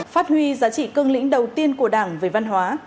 phát huy giá trị cương lĩnh đầu tiên của đảng về văn hóa